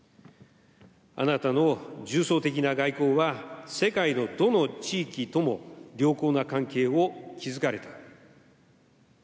あなたの重層的な外交は、世界のどの地域とも良好な関係を築かれた。